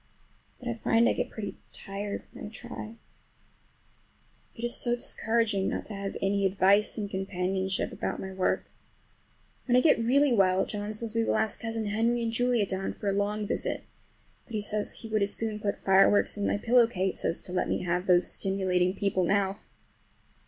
But I find I get pretty tired when I try. It is so discouraging not to have any advice and companionship about my work. When I get really well John says we will ask Cousin Henry and Julia down for a long visit; but he says he would as soon put fire works in my pillow case as to let me have those stimulating people about now.